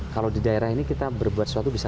kalau di daerah ini kita berbuat sesuatu bisa